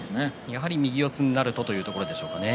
やはり右四つになるとというところでしょうかね。